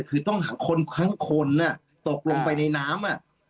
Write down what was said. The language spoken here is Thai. คือต้องหาคนทั้งคนตกลงไปในน้ำ